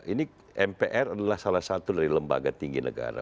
ini mpr adalah salah satu dari lembaga tinggi negara